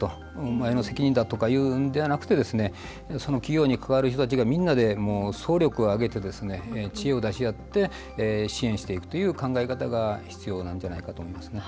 お前の責任だとかいうんではなくその企業に関わる人たちがみんなで総力を挙げて知恵を出し合って支援していくという考え方が必要なんじゃないかと思いますね。